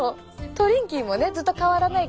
トリンキーもねずっと変わらないからね。